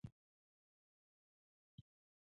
بوتل ځینې وخت د اعلان لپاره هم کارېږي.